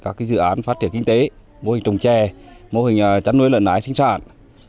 các dự án phát triển kinh tế mô hình trồng trè mô hình chăn nuôi lợn nái sinh sản